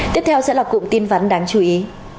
tiếp theo sẽ là cụm tin vắn đáng chú ý